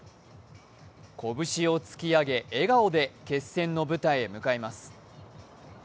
こぶしを突き上げ、笑顔で決戦の舞台へ向かいます。